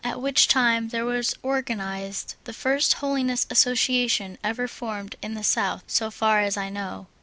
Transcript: at which time there was organized the first Holiness Association ever formed in the South, vSo far as I know.